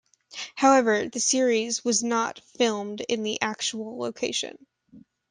However, the series was not filmed in the actual location.